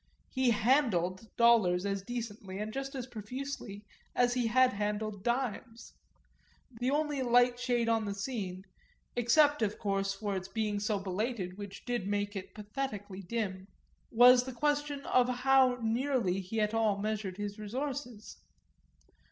He "handled" dollars as decently, and just as profusely, as he had handled dimes; the only light shade on the scene except of course for its being so belated, which did make it pathetically dim was the question of how nearly he at all measured his resources.